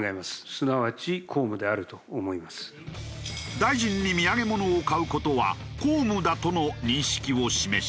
大臣に土産物を買う事は公務だとの認識を示した。